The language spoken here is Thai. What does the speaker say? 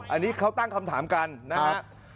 อันนี้เขาตั้งคำถามกันนะครับ